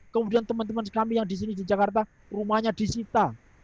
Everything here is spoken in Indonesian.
kemudian teman teman kami yang di sini di jakarta rumahnya disita